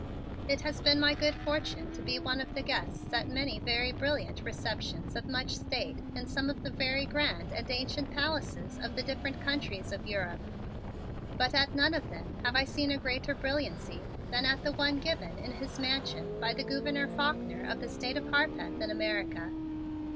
It has been my good fortune to be one of the guests at many very brilliant receptions of much state in some of the very grand and ancient palaces of the different countries of Europe, but at none of them have I seen a greater brilliancy than at the one given in his Mansion by the Gouverneur Faulkner of the State of Harpeth in America.